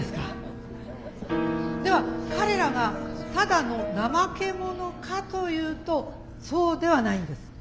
では彼らがただの怠け者かというとそうではないんです。